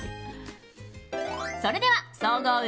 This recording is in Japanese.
それでは総合運